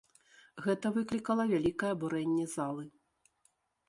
Гэта выклікала вялікае абурэнне залы.